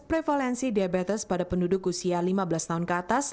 prevalensi diabetes pada penduduk usia lima belas tahun ke atas